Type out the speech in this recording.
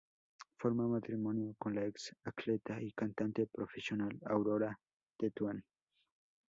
Forma matrimonio con la ex atleta y cantante profesional Aurora Tetuán.